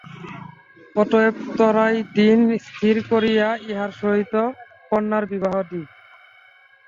অতএব ত্বরায় দিন স্থির করিয়া ইহার সহিত কন্যার বিবাহ দি।